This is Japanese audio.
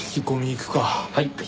はい。